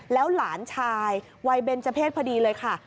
แล้วหลานชายวัยเบนเจอร์เพศพอดีเลยค่ะ